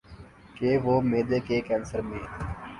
کہ وہ معدے کے کینسر میں